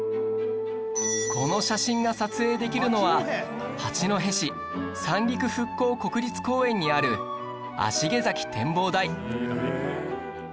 この写真が撮影できるのは八戸市三陸復興国立公園にある葦毛崎展望台